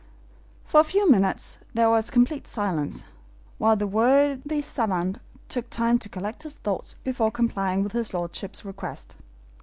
For a few minutes there was complete silence, while the worthy SAVANT took time to collect his thoughts before complying with his lordship's request.